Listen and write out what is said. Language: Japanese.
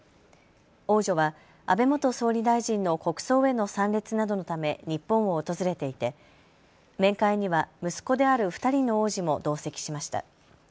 王女は安倍元総理大臣の国葬への参列などのため日本を訪れていて面会には息子である２人の王子も同席しました。